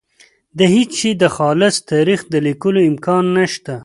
د هېڅ شي د خالص تاریخ د لیکلو امکان نشته.